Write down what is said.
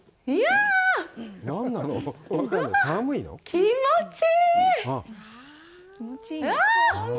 気持ちいい！